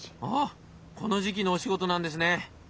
ああこの時期のお仕事なんですね。